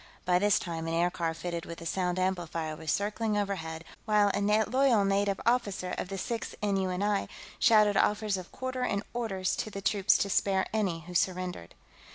By this time, an aircar fitted with a sound amplifier was circling overhead, while a loyal native officer of the Sixth N.U.N.I. shouted offers of quarter and orders to the troops to spare any who surrendered.